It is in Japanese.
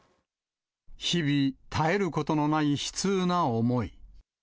日々、絶えることのない悲痛な思い。